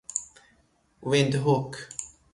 ویندهوک